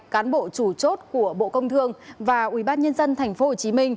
cán bộ chủ chốt của bộ công thương và ubnd tp hcm